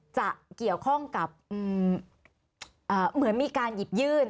จะเกี่ยวข้องกับเหมือนมีการหยิบยื่น